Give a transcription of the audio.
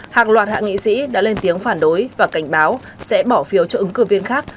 hàng loạt hạ nghị sĩ đã lên tiếng phản đối và cảnh báo sẽ bỏ phiếu cho ứng cử viên khác